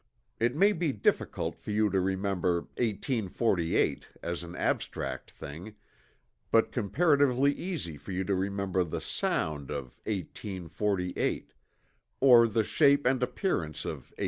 It may be difficult for you to remember "1848" as an abstract thing, but comparatively easy for you to remember the sound of "eighteen forty eight," or the shape and appearance of "1848."